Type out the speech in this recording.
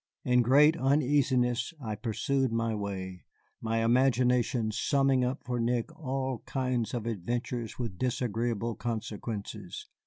In great uneasiness I pursued my way, my imagination summing up for Nick all kinds of adventures with disagreeable consequences.